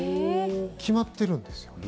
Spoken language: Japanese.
決まってるんですよ。